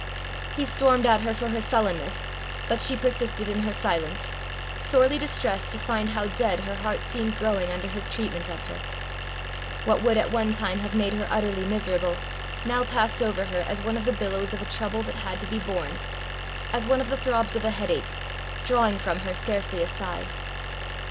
He stormed at her for her sullenness, but she persisted in her silence, sorely distressed to find how dead her heart seemed growing under his treatment of her: what would at one time have made her utterly miserable, now passed over her as one of the billows of a trouble that had to be borne, as one of the throbs of a headache, drawing from her scarcely a sigh.